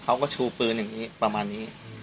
เขาก็ชูปืนอย่างนี้ประมาณนี้